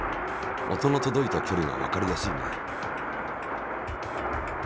音の届いた距離がわかりやすいね。